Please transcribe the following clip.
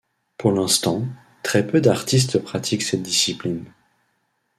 Pour l'instant, très peu d'artistes pratiquent cette discipline.